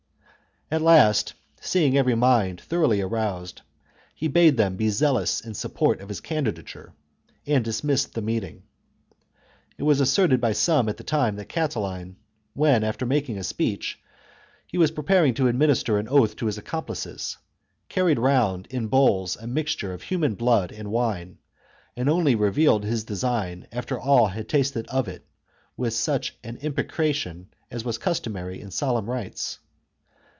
At last, seeing every mind thoroughly aroused, he bade them be zealous in sup port of his candidature, and dismissed the meeting. It was asserted by some at the time that Catiline, xxii.' 20 THE CONSPIRACY OF CATILINE. CHAP, when, after making a speech, he was preparing to ad minister an oath to his accomplices, carried round in bowls a mixture of human blood and wine, and only revealed his design after all had tasted of it with such an imprecation as was customary in solemn rites.